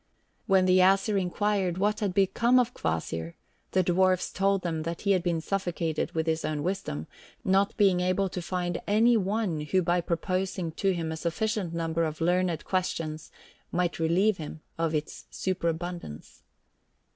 When the Æsir inquired what had become of Kvasir, the dwarfs told them that he had been suffocated with his own wisdom, not being able to find any one who by proposing to him a sufficient number of learned questions might relieve him of its superabundance.